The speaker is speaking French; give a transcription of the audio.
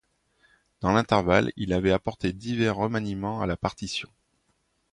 Dans l'intervalle, il avait apporté divers remaniements à la partition.